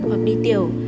hoặc đi tiểu